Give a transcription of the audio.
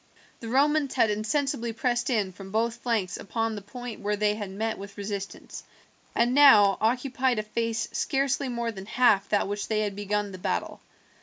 The Romans had insensibly pressed in from both flanks upon the point where they had met with resistance, and now occupied a face scarcely more than half that with which they had begun the battle.